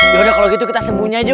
yaudah kalo gitu kita sembunyi aja